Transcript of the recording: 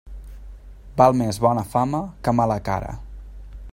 Val més bona fama que mala cara.